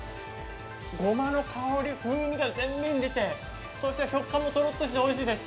ごまの香り、風味が前面に出て食感もとろっとしておいしいです。